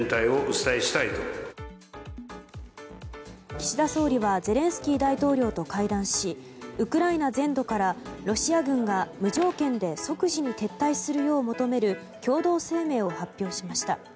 岸田総理はゼレンスキー大統領と会談しウクライナ全土からロシア軍が無条件で即時に撤退するよう求める共同声明を発表しました。